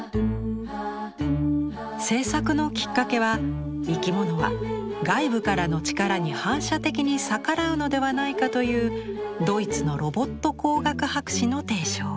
制作のきっかけは生き物は外部からの力に反射的に逆らうのではないかというドイツのロボット工学博士の提唱。